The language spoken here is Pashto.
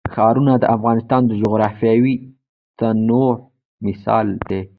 ښارونه د افغانستان د جغرافیوي تنوع مثال دی.